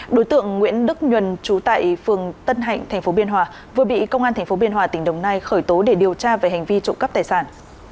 đối tượng nguyễn đức nhuần trú tại phường tân hạnh tp biên hòa vừa bị công an tp biên hòa tỉnh đồng nai khởi tố để điều tra về hành vi trộm cắp tài sản